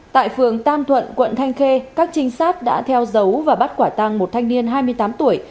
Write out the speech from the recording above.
tại phường tam thuận quận thanh khê các trinh sát đã theo dấu và bắt quả tăng một thanh niên hai mươi tám tuổi